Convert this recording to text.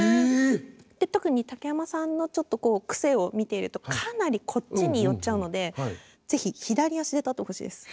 特に竹山さんのちょっと癖を見てるとかなりこっちに寄っちゃうので左足で立つ？